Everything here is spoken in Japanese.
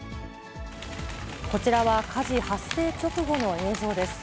こちらは火事発生直後の映像です。